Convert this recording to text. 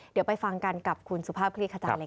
เดี๋ยวไปฟังกันกับคุณสุภาพคลิกฮจรรย์เลยครับ